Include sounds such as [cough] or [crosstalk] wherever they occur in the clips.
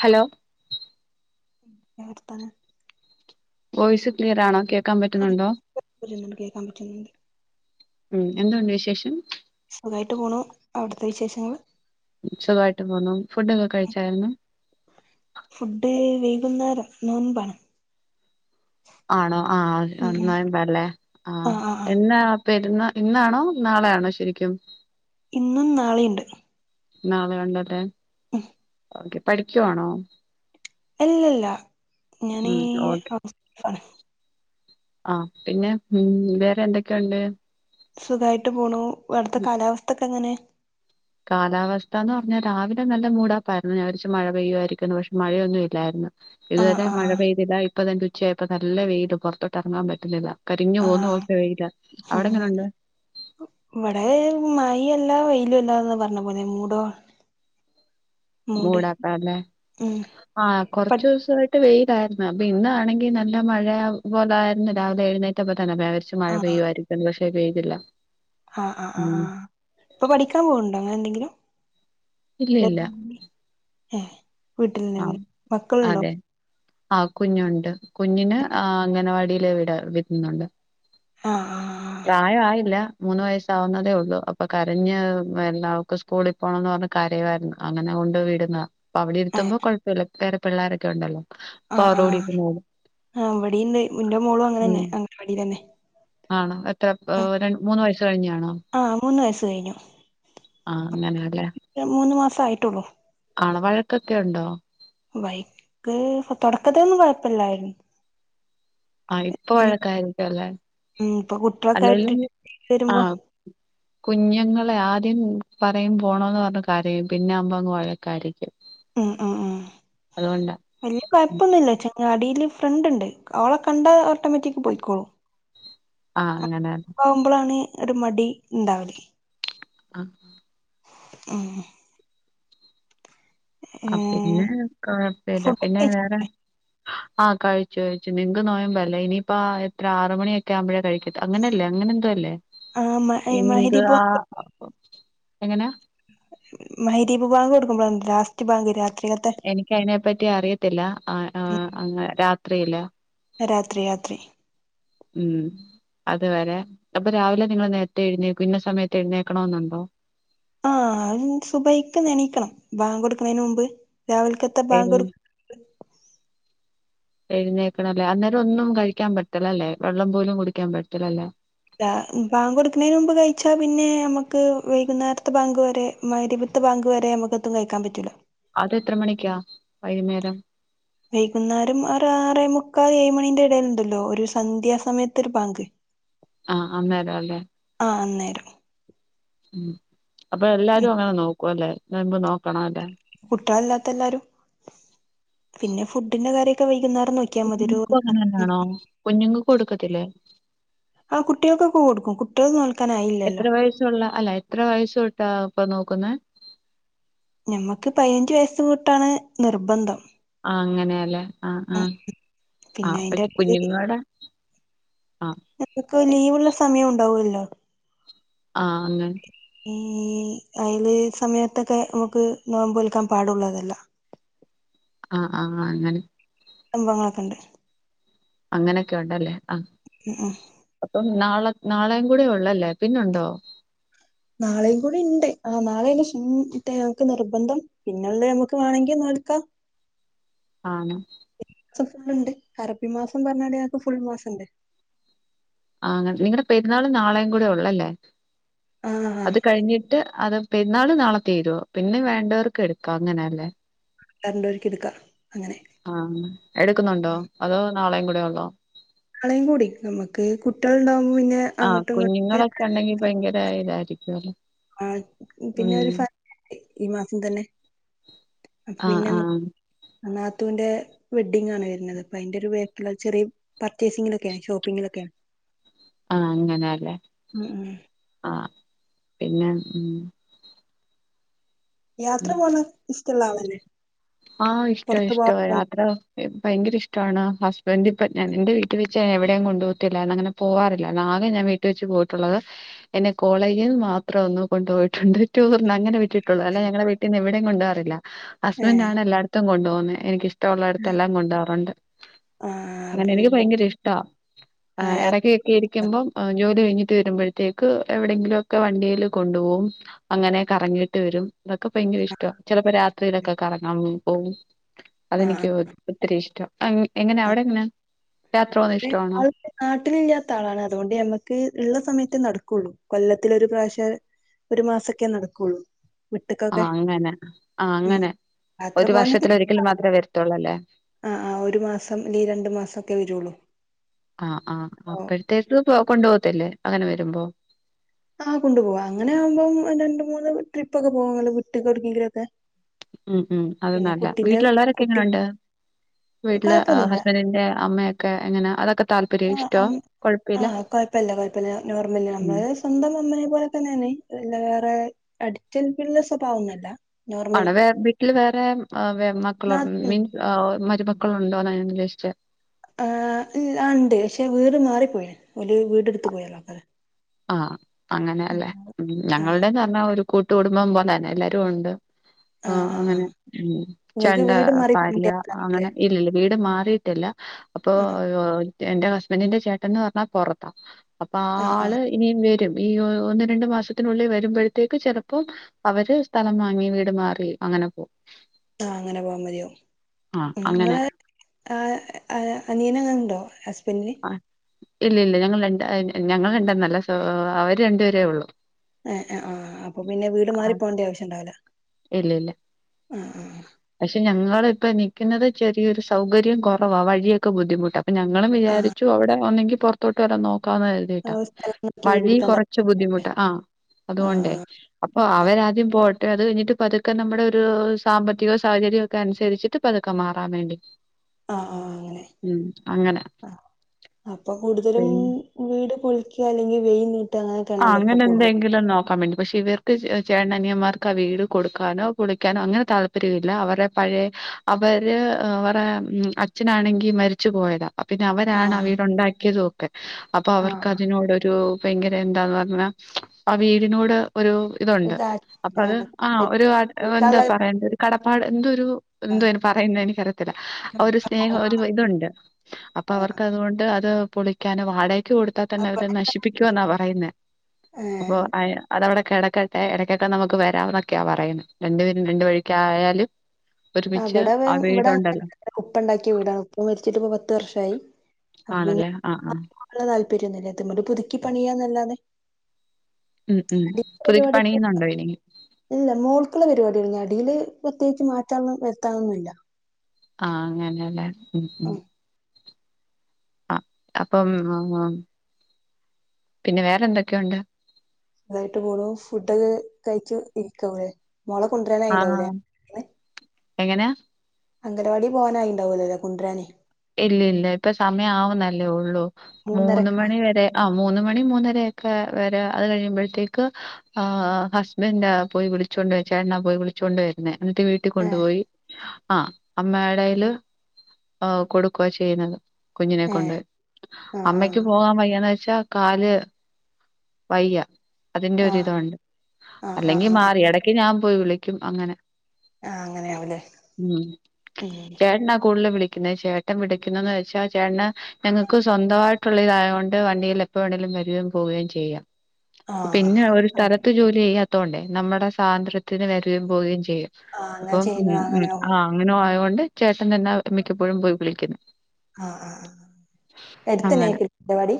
Hello എ വർത്താനം voice clear ആണോ കേ [unintelligible] കേൾക്കാൻ പറ്റുന്നുണ്ട് ഉം എന്തുണ്ട് വിശേഷം അവിടത്തെ വിശേഷങ്ങള് സുഖമായിട്ട് പോന്നു ഫുഡൊക്കെ കഴിച്ചായിരുന്നു [unintelligible] നോമ്പാണ് ആണോ ആ ഒന്നയമ്പ അല്ലേ ആഹ ആഹ് ആഹ് ആഹ് എന്നാ പെരുനാ ഇന്നാണോ നാളെയാണോ ശരിക്കും ഇന്നും നാളെയുണ്ട് നാളെ യുണ്ടല്ലെ ഉം ഓക്കെ പഠിക്കുവാണോ അല്ലല്ല ഞാനീ ഉം ഓക്കെ [unintelligible] ആ പിന്നെ ഉം വേറെ എന്തൊക്കെയുണ്ട് സുഖമായിട്ട് പോണു അവിടുത്തെ കാലാവസ്ഥക്കെ എങ്ങനെ കാലാവസ്ഥ എന്ന് പറഞ്ഞാൽ രാവിലെ നല്ല മൂടാപ്പായിരുന്നു ഞാ വിചാരിച്ചു മഴ പെയ്യുയിരിക്കുന്നു പക്ഷെ മഴയൊന്നും ഇല്ലായിരുന്നു ആഹ് ഇതുവരെ ആഹ് മഴ ആഹ് പെയ്തില്ല ഇപ്പൊ തന്റെ ഉച്ചയായപ്പ നല്ല വെയില് പുറത്തോട്ട് ഇറങ്ങാൻ പറ്റുന്നില്ല കരിഞ്ഞു പോകുന്ന ആഹ് അവസ്ഥ പോലത്തെ വെയില അവിടെ ഉം എങ്ങനണ്ട് ഇവിടെ മഴല്ല വെയിലുല്ലാന്ന് പറഞ്ഞ പോലെ മൂടോ മൂട് മൂടാക്കല്ലേ ഉം ആ കൊറച്ച പട് ദിവസമായിട്ട് വെ ലായിരുന്നു അപ്പൊ ഇന്നാണെങ്കിൽ നല്ല മഴ പോലെ ആരുന്നു രാവിലെ എഴുന്നേറ്റപ്പ ഞാൻ വിചാരിച്ചു മഴ ആഹ് പെയ്യുമായിരിക്കന്ന് പക്ഷെ പെയ്തില്ല ആഹ് ആ ആ ആ ഉം ഇപ്പൊ പഠിക്കാൻ പോവണ്ടോ അങ്ങനെ എന്തെങ്കിലും ഇല്ല ഇല്ല ഏ [unintelligible] മക്കളുണ്ടോ ആ കുഞ്ഞുണ്ട് കുഞ്ഞിന് അംഗനവാടിയില വിട വിട്ടുന്നുണ്ട് ആഹ് ആഹ് പ്രായ ആയില്ല മൂന്ന് വയസ ആവുന്നതേ ഉള്ളൂ അപ്പൊ കരഞ്ഞ് എന്താ അവൾക് സ്കൂളിൽ പോകണന്ന് പറഞ്ഞഞ് കരയാരിന്നു അങ്ങനെ കൊണ്ടു വിടുന്ന അവിടെ എത്തുമ്പോ കുഴപ്പമില്ല വേറെ പിള്ളോരൊക്കെ ഉണ്ടല്ലോ അവരോടിരുന്നോളും [unintelligible] റ്റെ മോളും അങ്ങന തന്നെ അംഗനവാടി തന്നെ ആണോ എത്ര രണ്ട മൂന്ന് വയസ് കഴിഞ്ഞാണോ ആഹ് മൂന്ന് വയസ്സ് കഴിഞ്ഞു ആ അങ്ങനെലെ സയിട്ടുള്ളു ആള വഴക്കൊക്കെ ഉണ്ടോ ബൈക്ക് തൊടകത്തിലൊന്നും കൊഴപ്പില്ലായിരുന്നു ആ ഇപ്പൊ വഴക്കായിരിക്ക അല്ലേ ഉം ഇപ്പൊ കുട്ടികളൊക്കെ ആയിട്ട് അല്ലേലും ആ വരുമ്പോ കുഞ്ഞുങ്ങളെ ആദ്യം പറയും പോണന്ന് പറഞ്ഞ കരയും പിന്നെ ആവുമ്പോ വഴക്കായിരിക്കും ഉം ഉം ഉം അതുകൊണ്ടാ വല്യ കുഴപ്പൊന്നുമല്ല ചെങ്ങാതി തില് ഫ്രണ്ട് ഉണ്ട് അവളെ കണ്ടാ ഓട്ടോമാറ്റിക്ക് പോയിക്കോളൂ ആ അങ്ങനെ ഒരു മടി ഉണ്ടാവൂലേ അ ഉം ആ ഏഹ് പിന്നെ കൊഴപ്പില്ല ഫുഡൊക്കെ പിന്നെ കഴിച്ചോ വേറെ ആ കഴിച്ചു കഴിച്ചു നിങ്ങക് നോയമ്പല്ലേ ഇനിയിപ്പോ എത്ര ആറ് മണിയൊക്കെ ആവുമ്പോഴേ കഴി അങ്ങനെയല്ലേ അങ്ങനെ എന്തോ അല്ലേ ആഹ് മ പി നിക്ക് മഹരിബ് ആ എങ്ങനാ മഗ്‌രിബ് ബാങ്ക് കൊടുക്കുമ്പോഴാ ലാസ്റ്റ് ബാങ്ക് രാ എനിക്ക്‌ അതിനെ പറ്റി അറിയത്തില്ല ആ ആ അങ്ങ രാത്രിയില്ല രാത്രി രാത്രി ഉം അതുവരെ അപ്പൊ രാവിലെ നിങ്ങൾ നേരത്തെ എഴുന്നേക്കും ഇന്ന സമയത്ത് എഴുന്നേക്കണ എന്നുണ്ടോ [unintelligible] ആ സുബൈക്ക് എണീക്കണം ബാങ്ക് കൊടുക്കുന്നതിന് മുമ്പ് രാവിലക്കത്ത എഴു ബാങ്ക [unintelligible] എഴുന്നേക്കണം അല്ലേ അന്നേരം ഒന്നും കഴിക്കാൻ പറ്റില്ലല്ലേ വെള്ളം പോലും കുടിക്കാൻ പറ്റില്ലല്ലേ ബാങ്ക് കൊടുക്കുന്നതിന് മുമ്പ് കഴിച്ചാ പിന്നെ നമ്മുക്ക് വൈകുന്നേരത്തെ ബാങ്ക് വരെ മഗ്‌രിബ് ബാങ്ക് വരെ നമുക്കൊന്നും കഴിക്കാൻ പറ്റൂല അത എത്ര മണിക്കാ വൈകുന്നേരം വൈകുന്നേരം ആറ ആറേ മുക്കാൽ ഏഴുമണിന്റെ ഇടയിലുണ്ടല്ലോ ഒരു സന്ധ്യാസമയത്ത് ഒരു ബാങ്ക് ആഹ് അന്നേര അല്ലേ ആഹ് അന്നേരം ഉ അപ്പൊ ഉം എല്ലാരും അങ്ങനെ നോക്കുവലെ നോയമ്പ് നോക്കണ ല്ലേ കുട്ടികളല്ലാത്ത എല്ലാരും പിന്നെ ഫുഡിന്റെ കാര്യൊക്കെ വൈകുന്നേരം നോക്കിയാൽ മതി ഒരു കുഞങ്ങൾക്ക്‌ അങ്ങനെന്നാണോ കുഞ്ഞുങ്ങക്ക് കൊടുക്കത്തില്ലേ ആ കുട്ടികൾക്കൊക്കെ കൊടുക്കും കുട്ടികൾ എത്ര നോൽക്കാനായില്ലല്ലോ വയസുള്ള അല്ല എത്ര വയസ്സ് തോട്ടാ ഇപ്പൊ നോക്കുന്ന ഞമ്മക്ക് പതിനഞ്ച് വയസ്സ് തോട്ടാണ് നിർബന്ധം ആ അങ്ങനെയല്ലേ ആഹ ഉം ആ ആ പിന്നെ പ അയിന്റെ കുഞ്ഞുങ്ങളോടെ ഞങ്ങക്ക് ലീവ് ഉള്ള സമയം ഉണ്ടാവല്ലോ ആഹ അങ്ങനെ ഈ അയില് സമയത്തൊക്കെ നമുക്ക് നോമ്പൽക്കാൻ പാടുള്ളതല്ല ആഹ ആഹ അങ്ങനെ സംഭവങ്ങളൊക്കെ ഉണ്ട് അങ്ങനൊക്കെ ഉണ്ടല്ലേ ആഹ ഉം ഉം അപ്പൊ നാള നാളെയും കൂടെ ഉള്ളല്ലേ പിന്നുണ്ടോ നാളെയും കൂടി ഉണ്ട് ആ നാളെ ഇഞക്ക് നിർബന്ധം പിന്നെുള്ള നമുക്ക് വേണമെങ്കിൽ നോൽക്കാം ആണ് ഫുൾണ്ട് അറബി മാസം പറഞ്ഞാണ്ട് ഫുൾ മാസം ഉണ്ട് ആ അങ്ങനെ നിങ്ങളടെ പെരുന്നാളും നാളെയും കൂടെ ഉള്ളല്ലേ ആ ആ അത് കഴിഞ്ഞിട്ട് അത് പെരുന്നാൾ നാളെ തീരുവോ പിന്നെ വേണ്ടവർക്ക് എടുക്കാ അങ്ങനെയല്ലേ രണ്ട് രൂപ ക്ക്‌ എടുക്കാ ആഹ എടുക്കുന്നുണ്ടോ അതോ നാളെയും കൂടെ ഉള്ളോ [unintelligible] നാളെയും കൂടി നമ്മുക്ക് കുട്ടികൾണ്ടാകുമ്പോ പിന്നെ ആ അങ്ങോട്ടും ഇങ്ങോട്ടും എക്കെ [unintelligible] ആഹ പിന്നെ ഒരു ഈ മാസം തന്നെ ആഹ ആഹ നാത്തുവിന്റെ വെഡിംങ് ആണ് വരുന്നത് അപ്പോ അതിന്റെറെ ഒരു വേ ചെറിയ പർച്ചേസിങ്ങിലൊക്കെയാണ് ഷോപ്പിംഗിലൊക്കെയാണ് [unintelligible] ആ അങ്ങനെല്ലേ ആഹ് പിന്നെ മ്മ് യാത്ര പോണ ഇഷ്ടള്ള ആളഞ്ഞെ ആഇഷ്ടാ ഇഷ്ടാ യാത്ര ഭയങ്കരഷ്ടാണ് ഹസ്ബൻഡ് ഇപ്പ ൻന്റെ വീട്ടിൽ വെച്ച് എവിടേം കൊണ്ടോവത്തില്ല എന്നങ്ങനെ പോവാറില്ല ആകെ ഞാൻ വീട്ടിൽ വെച്ച് പോയിട്ടുള്ളത് എന്നെ കോളേജിന്ന് മാത്രം ഒന്ന് കൊണ്ടോയിട്ടുണ്ട് ടൂറിന് അങ്ങനെവിട്ടിട്ടുള്ളൂ അല്ല ഞങ്ങളെ വീട്ടീന്ന് എവിടെ കൊണ്ടപാറില്ല ഏ ഹസ്ബൻറ് ആണ് എല്ലായിടത്തും കൊണ്ടു പോോകുന്നത് എനിക്ക ഇഷ്ടമുള്ളായിടത്ത എല്ലാം കൊണ്ടുപവാറുണ്ട് ആ അങ്ങനെ അപ്പൊ എനിക്ക് പിന്നെ ഭയങ്കര ഇഷ്ട ആ യാത്ര ഇടക്കൊക്കെ ഇരിക്കുമ്പോ ജോലി കഴിഞ്ഞിട്ട് വരുമ്പോഴത്തേക്ക് എവിടെയെങ്കിലൊക്കെ വണ്ടിയിൽ കൊണ്ട് പോകും അക്കെറങ്ങിട്ട് വരും ഇതൊക്കെ ഭയങ്കര ഇഷ്ട ചിലപ്പോ രാത്രിയിലൊക്കെ കറങ്ങാൻ പോകും ആ ആ അതെനിക്ക് ഒത്തിരി ഇഷ്ടം എങ്ങനെ അവിടെങ്ങനെ ആൾ നാട്ടിലില്ലാത്ത ആളാണ് അത്കൊണ്ട് നമ്മക്ക് ള്ള സമയത്തെ നടക്കു ള്ളൂ കൊല്ലത്തിലൊരു പ്രാവശ്യം ഒരു മാസൊക്കെ നടക്കുള്ളൂ വിട്ട്ക്കൊക്കെ ആഅങ്ങനെ ഉം യാത്ര പോകാനൊക്കെ ഇഷ്ടാണ്. ആ ആ ഒരു മാസം അല്ലെൽ രണ്ടു മാസൊക്കെ വെരുള്ളൂ ആഹ് ആ അപ്പോഴത്തേക്ക് കൊണ്ടോകത്തില്ലേ അങ്ങനെവരുമ്പോ ആഹ് കൊണ്ടുപോവാ അങ്ങനെയാ മ്പോം രണ്ട്, മൂന്ന് ട്രിപ്പൊക്കെ പോവാല്ലോ വിട്ട്ക്ക് ഒട്ക്കെങ്കിലൊക്കെ. ഉം ഉം അത് നല്ല വീട്ടില്ള്ളവ കുട്ടി രൊക്കെങ്ങൊനൊണ്ട്? വീട്ട്ല് കൊഴപ്പൊന്നുല്ല ഹസ്ബൻഡിൻ്റെ അമ്മയൊക്കെ എങ്ങനാ അതൊക്കെ താല്പര്യ ഇഷ്ടാ കൊഴപ്പില്ലാ. പ്പല്ലാ കൊഴ്പ്പല്ല നോർമല് നമ്മ സ്വന്തം അമ്മയെ പോലെ തന്നേണ് വേറെ അടിച്ചേൽപ്പിള്ള സ്വഭാവൊന്നല്ല. ആണ നോർമൽ [unintelligible] വേ വീട്ടിൽ വേറെ മക്കള നാത്തൂൻ മീൻസ് [unintelligible] മരുമക്കളുണ്ടോന്ന ഞാൻ ഉദ്ദേഷിച്ചേ? ആഹ് ഇല്ല ഇണ്ട്. ഷേ വീട് മാറിപ്പോയ്ണ്. ഓല് വീടെടുത്ത് പോയ ആഹ് അങ്ങനെല്ലേ മ്മ് ആഹ് ഞങ്ങളുടെന്ന് അർഞ്ഞാ ഒരു കൂട്ട് കുടുംബം പോലന്നെ. എല്ലാരും ഉണ്ട്. ആഹ് അങ്ങനെ ഉം നിങ്ങക്ക് ചേണ്ട വീട് മാറി പാടിയ പോയില്ലേ അങ്ങനെ ഇല്ലില്ല വീട് മാറിയിട്ടില്ല അപ്പോ ആഹ് ഓഹ് എന്റെ ഹസ്ബൻ്റിൻ്റെ ചേട്ടൻന്ന് പറഞ്ഞാ പൊറത്താ അപ്പൊ ആ ആഹ് ആള് ആഹ് ഇനിയും വരും ഈ ഓ ഒന്ന് രണ്ടു മാസത്തിനുള്ളി വരുമ്പോഴത്തേക്ക് ചെലപ്പം അവര് സ്ഥലം വാങ്ങി വീട് മാറി അങ്ങനെ പോവും ആഹ് അങ്ങനെ പോവാ മതിയാവും ആഹ് ഉം അങ്ങനെ ഇങ്ങളെ ആഹ് ആഹ് അനിയനങ്ങനെ ണ്ടോ ഹസ്ബന്റിന് ഇല്ലല്ല ഞങ്ങള് രണ്ട് അ ഞങ്ങൾ രണ്ടന്നല്ല സോ അവര് രണ്ടുപേരേയൊള്ളൂ ഏഹ് ആഹ് ആഹ് അപ്പോ പിന്നെ വീട് മാറി ആഹ് പോണ്ട്യ ആവശ്യണ്ടാവുല ഇല്ലില്ല പക്ഷെ ഞങ്ങളിപ്പോ നിക്കുന്നത് ചെറിയൊരു സൗകര്യം കൊറവാ വഴിയൊക്കെ ബുദ്ധിമുട്ടാ പ്പ ഞങ്ങളും ആഹ് വിചാരിച്ചു അവിടെ ഒന്നെങ്കി പുറത്തോട്ട് വരാ നോ ക്കാന്ന് കരുതിട്ടാ ആഹ് സ്ഥലം നോക്കി വഴി വീടെടുക്കാൻ കൊറച്ച് താല്പര്യല്ലേ ബുദ്ധിമുട്ടാ ആഹ് അതുകൊണ്ടേ ആഹ് അപ്പോ അവരാദ്യം പോ അത് കഴിഞ്ഞിട്ട് പതുക്കെ നമ്മുടൊരു സാമ്പത്തികവും സൗഹര്യൊക്കെ അനുസരിച്ചിട്ട് പതുക്കെ മാറാൻ വേണ്ടി ആഹ് ആഹ് അങ്ങനെ ഉം അങ്ങനെ ആഹ് അപ്പൊ കൂടുതലും പിന്നെ വീട് പൊളിക്ക അല്ലെങ്കി വെ [unintelligible] ആഹ് അങ്ങനെന്തെങ്കിലും നോക്കാ വേണ്ടി പക്ഷെ ഇവർക്ക് ചേ ചേട്ടനനിയന്മാർക്ക് ആ വീട് കൊടുക്കാനോ പൊളിക്കാനോ അങ്ങനെ താല്പര്യവില്ല അവരാ പഴേ അവര് അവരെ അച്ഛനാണെങ്കി മരിച്ച് പോയതാ ആഹ് പിന്നെ അവരാണ് ആ ആഹ് വീടുണ്ടാക്കിയതുവൊക്കെ അപ്പൊ ആഹ് അവർക്കതിനോടൊരു ഭയങ്ക ര എന്താന്ന് പറഞ്ഞാ ആ വീടിനോട് ഒരു ഒരു ഇതുണ്ട് താ അപ്പൊ അത് ആഹ് ഒരു ആഹ് എന്താ പൊളിക്കാനുള്ള പറയണ്ടേ ഒരു കടപ്പാട് എന്തോ ഒരു എന്തോ ആഹ് അയിന് പറയുന്നേ എനിക്കറിയത്തില്ല ആ ഒരു സ്നേഹ ഒരു ഇതുണ്ട് അപ്പൊ ഏഹ് അവർക്കതുകൊണ്ട് അത് പൊളിക്കാനോ വാടകക്ക് കൊടുത്താ തന്നെ അവര് അവിടെ നശിപ്പിക്കുവന്നാ പറയുന്നേ ഏ, അപ്പോ അയിന് അതവടെ കെടക്കട്ടെ ഇടക്കൊക്കെ നമുക്ക് വരാന്നൊക്കെയാ പറയുന്നെ രണ്ട് പേരും രണ്ട് വഴിക്കായാലും ആ ഒരുമിച്ച് ഇവിടെ ആ വീടുണ്ടല്ലോ ഇവിടെങ്ങന ഉപ്പ ഉണ്ടാക്കിയ വീടാണ് ഉപ്പ മരിച്ചിട്ട് ഇപ്പം പത്ത് വർഷം ആയി ആണല്ലേ ആ ഹസ്‌ബെൻഡിന് [unintelligible] അത്ര താല്പര്യൊന്നുമല്ല ഇത് അങ്ങനെ പുതുക്കി പണിയാന്നല്ലാതെ ഉം ഉം അടിയിലെ പുതുക്കി പരിപാടി പണിയുന്നുണ്ടോ ഇനി ഇല്ല മോൾക്കുള്ള പരിപാടിയായിരുന്നു അടിയില് പ്രത്യേകിച്ച് മാറ്റാന്നും വരുത്താനൊന്നുമില്ല ആഹ് അങ്ങനെയല്ലേ ഉം ഉം ആ അപ്പം പിന്നെ വേറെ എന്തൊക്കെയുണ്ട് നന്നായിട്ടു പോണു ഫുഡൊക്കെ കഴിച്ച് ഇരിക്കുവാ ഇവിടെ മോളെ കൊണ്ടുവരാൻ ആയി ഇണ്ടാവും ഇല്ലേ ഇന്ന് എങ്ങനാ അംഗനവാടി പോവാനായി ഉണ്ടാവുലല്ലോ കൊണ്ടുവരാനെ ഇല്ല ഇല്ല ഇപ്പ സമയം ആവുന്നല്ലേയുള്ളു മൂന്ന് മണി വരെ ആ മൂന്ന് മണി മൂന്നരൊക്കെ വരെ അത് കഴിയുമ്പോഴത്തേക്ക് ഹസ്ബൻഡ് ആ പോയി വിളിച്ചു- ചൊണ്ട് വരും ചേട്ടനാ പോയി വിളിച്ചൊണ്ടവരുന്നേ എന്നിട്ട് വീട്ടിൽ ഏഹ് കൊണ്ടുപോയി ആ അമ്മേടെ കൈയില് ഔ- കൊടുക്കുക ചെയ്യുന്നത് കുഞ്ഞിനെ ഏഹ് കൊണ്ട് ആഹ് അമ്മയ്ക്ക് ആഹ് പോകാൻ വയ്യതായപ്പോ ച്ച കാല് വയ്യ അതിന്റെ ആഹ് ഒരിതു ഉണ്ട് ആഹ് അല്ലെങ്കി ആഹ് ആഹ് ആഹ് മാറി ഇ ടക്ക് ഞാൻ പോയി വിളിക്കും അങ്ങനെ ആഹ് അങ്ങനെയാവുല്ലേ ഉ ഉം ചേട്ടനാ കൂടുതൽ വിളിക്കുന്നത് ചേട്ട പിടി ക്കുനേച്ചാൽ വെച്ചാൽ ചേട്ടന ഞങ്ങൾക്ക് ട്ടൻ സ്വന്തമായിട്ടുള്ള ഇതായത കൊണ്ട് വണ്ടിയിൽ എപ്പോ വേണെങ്കിലും വരികയും പോ വുകയും ചെയ്യാം ആഹ് പിന്നെ ഒരു സ്ഥലത്ത് ജോലി ചെയ്യാത്തോണ്ടേ നമ്മുടെ സ്വാതന്ത്ര്യത്തിന് വരകയും പോകയും ചെയ ആഹ് അങ്ങനെ അപ്പൊ ചെയ്യുന്ന ഉ അങ്ങനാവും ആ അങ്ങനെ ആയത് കൊണ്ട് ചേട്ടൻ തന്നെ മിക്കപ്പോഴും പോയി വിളിക്കുന്നെ ആഹ ആ എടുത്തനക്കുലെ വാടി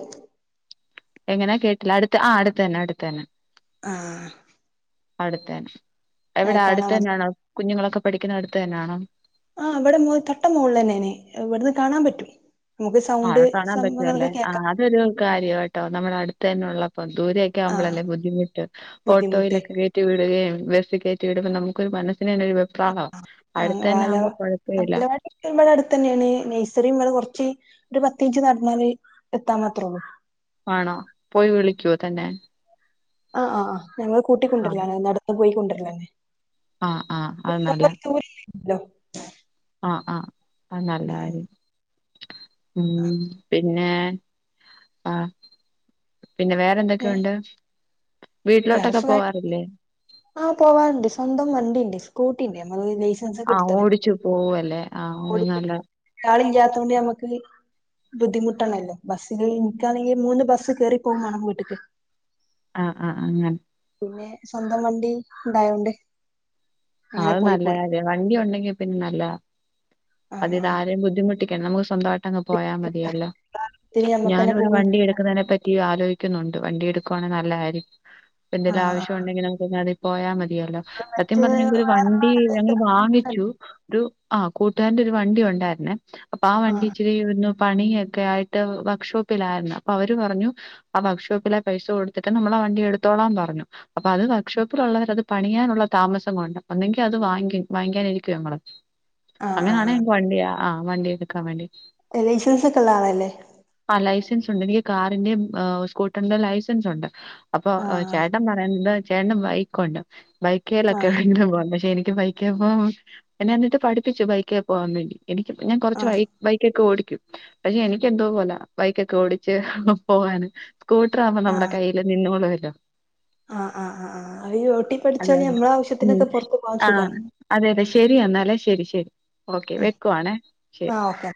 എങ്ങനാ കേട്ടില്ല അടുത്ത് ആ അടുതന്നെ അടുത്തതന്നെ ആഹ അടുത്ത തന്നെ എവിടെ അടുത്ത മാത്രം തന്നെയാണോ കുഞ്ഞുങ്ങളൊക്കെ പഠിക്കുന്ന അടുത്ത് തന്നെയാണോ ആഹ് ഇവിടെ മോ തട്ട മോള തന്നെനെ ഇവിടുന്ന് കാണാൻ പറ്റും നമുക്ക് സൗണ്ട് ആളെ കാണാൻ പറ്റുവല്ലേ സംഭവങ്ങളൊക്കെ ആ കേക്കാം അതൊരു കാര്യ ട്ടോ നമ്മുടെ അടുത്ത് തന്നെള്ള ഇപ്പം ദൂരെയൊക്കെ ആഹ് ആവുമ്പളല്ലേ ബുദ്ധിമുട്ട് ബുദ്ധിമുട്ട് ഓട്ടോയിലൊക്കെ കയറ്റി വിടുകയും ബസ്സി കേറ്റി വിടുമ്പോ നമുക്കൊരു മന ആ വലവാടി ആവുമ്പോ കൊഴപ്പവില്ല അംഗലവാടി ഇവിടെ അടുത്ത് തന്നെയാണ് നെയ്സറിം ഇ കുറച്ച് ഒരു പത്ത് മിനു നടന്നാല് എത്താൻ മാത്രേള്ളൂ ആ ണോ പോയി വിളിക്കുവോ തന്നെ ആ് ആ ആ ഞങ്ങൾ കൂട്ടിക്കൊണ്ടുവരില നടന്നു പോയിക്കൊണ്ടിരലന്നെ ആഹ ആഹ് അത് ന ല്ല ദൂരല്ലോ ആ ആഹ് ആ നല്ല കാര്യം ഉമ് പിന്നെ ആഹ പിന്നെ ഏഹ് വേറെന്തൊക്കെയുണ്ട് വേറെ വീട്ടിലോട്ടൊക്കെ സുഖമായിട്ട പോവാറില്ലേ ആഹ് പോവാനുണ്ട് സ്വന്തം വണ്ടിണ്ട് സ്കൂട്ടിണ്ട് നമ്മൾ സെൻസ് ഒക്കെ ആഹ് എടുത്തുകുണ് ഓടിച്ചു പോവല്ലേ ആഹ് അത് കൊടുത്ത് നല്ല ല ഈ ഇല്ലാത്ത കൊണ്ട് നമ്മക്ക് ബുദ്ധിമുട്ടണല്ലോ ബസിനാണെങ്കിൽ മൂന്ന് ബസ്സ് കേറിപ്പോകും വേണം വീട്ടക്ക് ആഹ ആഹ് അങ്ങനെ പിന്നെ സ്വന്തം വണ്ടി ഉണ്ടായോണ്ട് അ അത് നല്ലകാര്യാ വണ്ടി ഉണ്ടെങ്കി പിന്നെ നല്ലതാ ആഹ് അതിത് ആരെയും ബുദ്ധിമു ട്ടിക്കണ്ട നമുക്ക് സ്വന്തട്ട പോയാ മതിയല്ലോ. ആഹ് ത്തിന് ഞമ്മക്കന്നെ ഞാനും ഒരു പോകും വണ്ടി എടുക്കുന്നെ പറ്റി ആ വ ആലോിക്കുന്നുണ്ട് വണ്ടി അലോയിക്കുന്നുണ്ട് വണ്ടി എടുക്കുവാണെങ്കി നല്ലതരിക്കും അഎന്തെലും ആഹ് ആവശ്യമ ആഹ് ഉണ്ടെങ്കിൽ നമുക്ക് പോയാ മതി മതിയാലോ സത്യം മറ്റ് പറഞ്ഞ ഒരു വണ്ടി ഞങ്ങൾ ആഹ് വാങ്ങിച്ചു ഒരു ആഹ കൂട്ടുകാരന്റെ ഒരു വണ്ടി ഉണ്ടായിരുന്നേ അപ്പൊ ആ വണ്ടി ആഹ് ഇച്ചിരി ഒന്ന് പണി യൊക്കെ ആയിട്ട് വർക്ക്ഷോപ്പിലായിരുന്നു. അപ്പൊ അവര് പറഞ്ഞു ആ വർക്ക്ഷോപ്പില പൈസ കൊടുത്തിട്ട് നമ്മള വണ്ടി എടുത്തോളാൻ പറഞ്ഞു. അപ്പൊ അത് വർക്ക്ഷോപ്പിൽ ഉള്ളവ ര്അത് പണിയാനുള്ള താമസം കൊണ്ട ഒന്നിങ്കിൽ അത് വാങ്ങാനിരിക്കുവ ഞങ്ങെള് ആഹ് അങ്ങനെയാണങ്കിൽ ആഹ് ഞങ്ങക്ക് വണ്ടിയ ആ വണ്ടി എടുക്കാൻ വേണ്ടി ലൈസൻസ് ഒക്കെ ഉള്ള ആളല്ലേ ലൈസൻസ് ഉണ്ട് എനിക്ക് കാറിന്റെയും സ്കൂട്ടറിന്റെയും ലൈസൻസ് ഉണ്ട് അപ്പൊ ആഹ് ചേട്ടൻ പറയുന്നത് ചേട്ടൻ ബൈക്കുണ്ട് ബൈക്കലൊക്കെ ആഹ് [inaudible] പക്ഷെ എനിക്ക് ബൈക്കെ പോകാൻ എന്നെ എന്നിട്ട് പഠിപ്പിച്ചു ബൈക്കെ പോവാൻ വേണ്ടി എനിക്ക് ഇപ്പംഞാൻ കുറച് ആഹ് ബൈക്കൊക്കെ ഓടിക്കും പക്ഷെ എനിക്ക് എന്തോ പോല ബൈക്കൊക്കെ ഓടിച്ച് പോകാന് സ്കൂട്ടർ ആവുമ്പോ നമ്മുടെ കയ്യിൽ നിന്നോളുവല്ലോ ആ് ആ ആ ആ അ ഈ ഓട്ടി ച്ച്പഠിച്ചാല് നമ്മടെ ആവശ്യത്തിനക്കെ പൊറ ആഹ അതെ അതെ ശെരി എന്നാലേ ശരി ശരി ഓക്കെ ഉം വെക്കുവാണേ ശരി ആഹ് ഓക്കെ